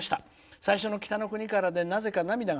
最初の「北の国から」でなぜか、涙が。